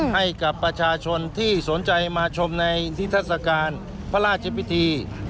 ให้กับประชาชนที่สนใจมาชมในนิทัศกาลพระราชพิธี